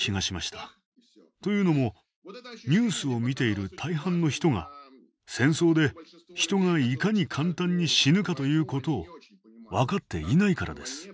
というのもニュースを見ている大半の人が戦争で人がいかに簡単に死ぬかということを分かっていないからです。